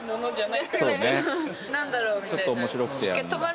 なんだろうみたいな。